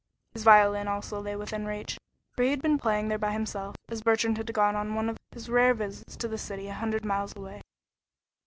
His violin also lay within reach, for he had been playing there by himself, as Bertrand had gone on one of his rare visits to the city a hundred miles away.